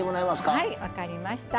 はい分かりました。